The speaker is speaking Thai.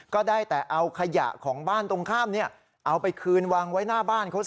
ก็ได้แต่เอาขยะของบ้านตรงข้ามเอาไปคืนวางไว้หน้าบ้านเขาสิ